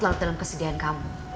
lalu dalam kesedihan kamu